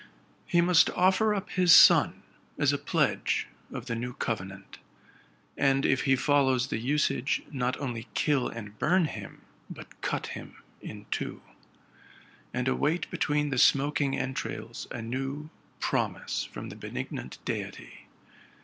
He must offer up his son as a pledge of the new covenant, and, if he follows the usage. not only kill and burn him, but cut him in two, and await hetween the smoking entrails a new promise from the benig nant Deity.